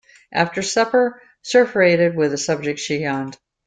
After supper, surfeited with the subject, she yawned.